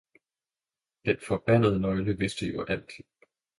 Den forbandede nøgle vidste jo alt.